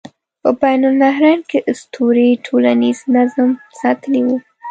په بین النهرین کې اسطورې ټولنیز نظم ساتلی و.